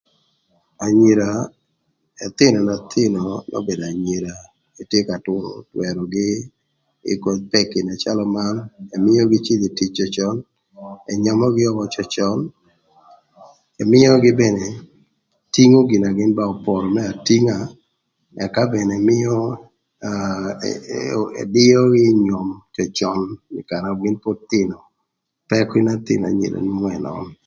Anyira, ëthïnö n'athïnö n'obedo anyira etye ka türö twërögï ï koth peki na calö man: Ëmïögï cïdhö ï tic cöcön, ënyömögï ökö cöcön, ëmïögï bene tingo gin na gïn ba oporo më atinga ëka mene ëmïö aa ee a ëdïögï ï nyom cöcön ï karë na gïn pod thïnö. Peki n'ëthïnö anyira nwongo ënön.